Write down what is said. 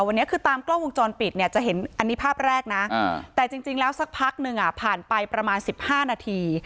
วันนี้คือตามกล้องวงจรปิดเนี่ยจะเห็นอันนี้ภาพแรกนะแต่จริงแล้วสักพักหนึ่งผ่านไปประมาณ๑๕นาที